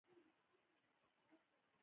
برېتانيه میراثونو دود لوی املاک ساتي.